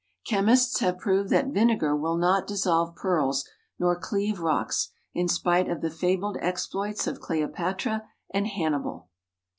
Chemists have proved that vinegar will not dissolve pearls nor cleave rocks, in spite of the fabled exploits of Cleopatra and Hannibal.